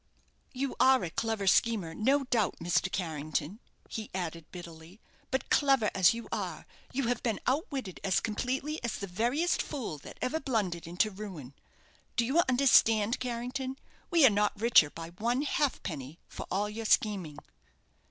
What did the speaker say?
"You are a clever schemer, no doubt, Mr. Carrington," he added, bitterly; "but clever as you are, you have been outwitted as completely as the veriest fool that ever blundered into ruin. Do you understand, Carrington we are not richer by one halfpenny for all your scheming?"